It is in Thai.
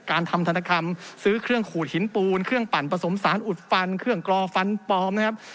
การทำธนกรรมซื้อเครื่องขูดหินปูนเครื่องปั่นผสมสารอุดฟันเครื่องกรอฟันปลอมนะครับ